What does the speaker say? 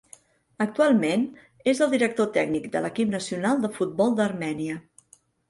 Actualment, és el director tècnic de l'equip nacional de futbol d'Armènia.